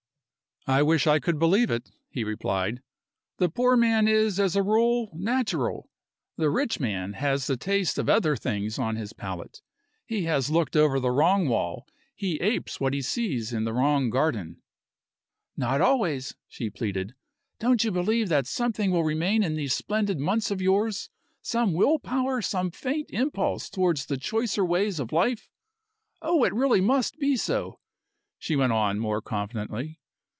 "I wish I could believe it," he replied. "The poor man is, as a rule, natural. The rich man has the taste of other things on his palate; he has looked over the wrong wall, he apes what he sees in the wrong garden." "Not always," she pleaded. "Don't you believe that something will remain of these splendid months of yours some will power, some faint impulse towards the choicer ways of life? Oh, it really must be so!" she went on, more confidently.